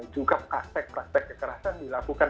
juga kastek kastek kekerasan dilakukan